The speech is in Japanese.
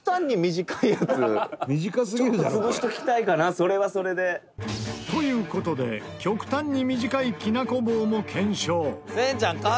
「それはそれで」という事で極端に短いきなこ棒も検証。